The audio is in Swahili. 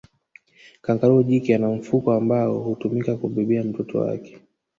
kangaroo jike ana mfuko ambao hutumika kubebea mtoto wake